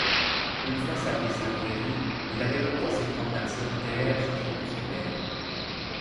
Une fois sa blessure guérie, il avait repris ses promenades solitaires et crépusculaires.